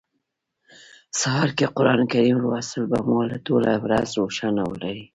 سهار کی قران کریم لوستل به مو ټوله ورځ روښانه ولري